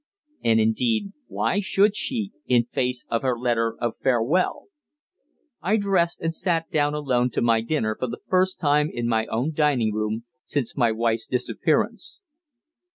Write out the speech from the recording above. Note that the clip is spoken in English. And, indeed, why should she, in face of her letter of farewell? I dressed, and sat down alone to my dinner for the first time in my own dining room since my wife's disappearance.